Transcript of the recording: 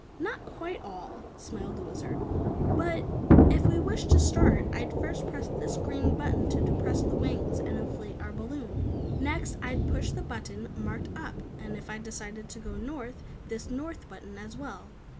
"Not quite all," smiled the Wizard, "but if we wished to start, I'd first press this green button to depress the wings and inflate our balloon. Next, I'd push the button marked 'up' and, if I decided to go North, this 'North' button, as well.